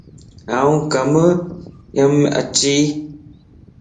آن ڪم يم اچي؟